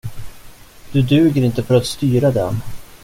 Du duger inte för att styra den.